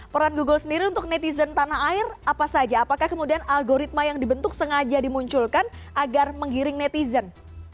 peran google sendiri untuk netizen tanah air apa saja apakah kemudian algoritma yang dibentuk sengaja dimunculkan agar menggiring netizen